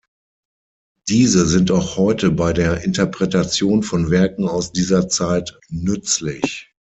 Diese sind auch heute bei der Interpretation von Werken aus dieser Zeit nützlich.